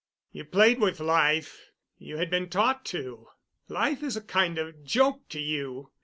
You played with life—you had been taught to. Life is a kind of joke to you.